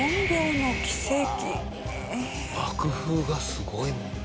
爆風がすごいもんね。